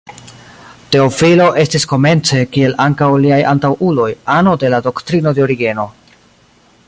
Teofilo estis komence, kiel ankaŭ liaj antaŭuloj, ano de la doktrino de Origeno.